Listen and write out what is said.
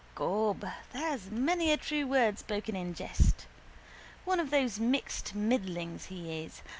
Gob, there's many a true word spoken in jest. One of those mixed middlings he is.